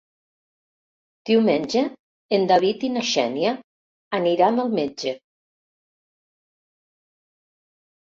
Diumenge en David i na Xènia aniran al metge.